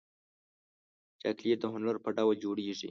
چاکلېټ د هنر په ډول جوړېږي.